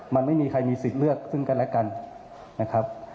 มันไม่มีใครมีสิทธิ์เลือกซึ่งกันและกันนะครับ